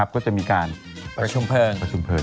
ก็จะมีการประชุมเพิร์น